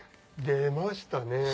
出ましたね。